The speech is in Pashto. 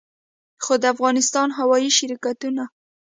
خو د افغانستان هوايي شرکتونه